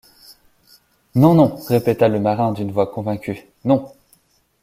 Non non répéta le marin d’une voix convaincue, non